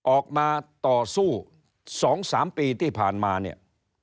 ออกมาต่อสู้๒๓ปีที่ผ่านมาเนี่ย